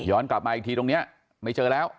กลับมาอีกทีตรงนี้ไม่เจอแล้ว